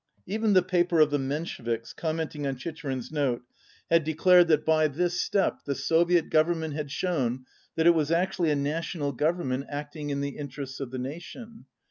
Even the paper of the Mensheviks, commenting on Chicherin's note, had declared that by this step the Soviet Government had shown that it was actually a national Govern ment acting in the interests of the nation.